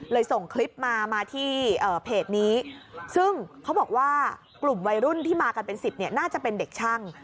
ส่งคลิปมามาที่เพจนี้ซึ่งเขาบอกว่ากลุ่มวัยรุ่นที่มากันเป็น๑๐เนี่ยน่าจะเป็นเด็กช่าง